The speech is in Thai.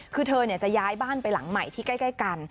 คือเธอจะย้ายบ้านไปหลังใหม่ที่ใกล้กัน